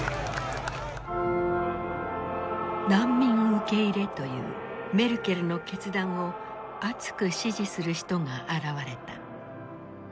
難民受け入れというメルケルの決断を熱く支持する人が現れた。